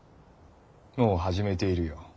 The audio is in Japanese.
もう始めているよ。